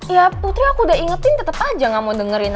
ya putri aku udah ingetin tetap aja gak mau dengerin